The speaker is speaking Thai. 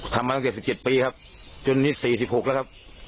มาตั้งแต่๑๗ปีครับจนนี่๔๖แล้วครับ